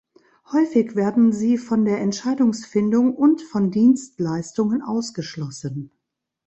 Häufig werden sie von der Entscheidungsfindung und von Dienstleistungen ausgeschlossen.